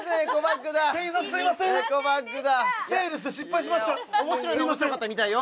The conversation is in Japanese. すいません面白いのは面白かったみたいよ